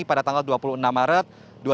pada tanggal dua puluh enam maret dua ribu dua puluh